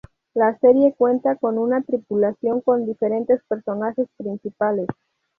La serie cuenta con una tripulación con diferentes personajes principales.